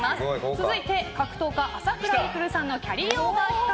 続いて、格闘家・朝倉未来さんのキャリーオーバー企画。